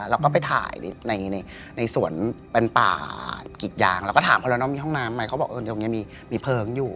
เราก็ไปถ่ายในสวนเป็นป่ากิดยางเราก็ถามเขาแล้วเนอะมีห้องน้ำไหมเขาบอกตรงนี้มีเพลิงอยู่